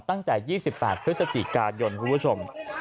ตั้งแต่๒๘พฤศจิกายนคุณผู้ชม